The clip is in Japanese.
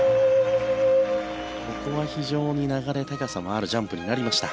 ここは非常に流れ高さもあるジャンプになりました。